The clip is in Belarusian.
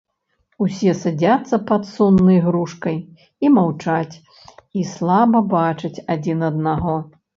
Усе садзяцца пад соннай грушкай і маўчаць і слаба бачаць адзін аднаго.